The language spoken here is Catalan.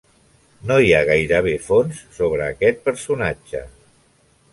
No hi ha gairebé fonts sobre aquest personatge.